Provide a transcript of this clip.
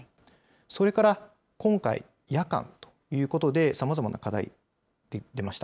それから今回、夜間ということで、さまざまな課題出ました。